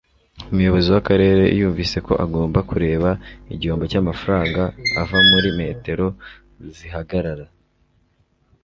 Umuyobozi wakarere yumvise ko agomba kureba igihombo cyamafaranga ava muri metero zihagarara